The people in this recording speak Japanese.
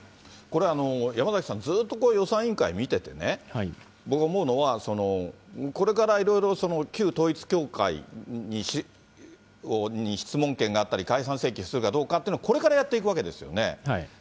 これ、山崎さん、ずっと予算委員会見ててね、僕思うのは、これからいろいろ旧統一教会に質問権があったり、解散請求するかどうかというのは、これからやっていくわけですよね。